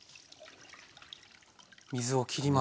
水をきります。